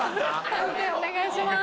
判定お願いします。